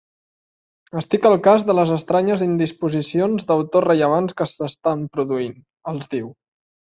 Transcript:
Estic al cas de les estranyes indisposicions d'autors rellevants que s'estan produint —els diu—.